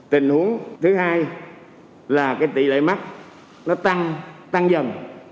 tình huống thứ hai là cái tỷ lệ mắc nó tăng tăng dần